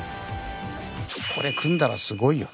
これ組んだらすごいよな！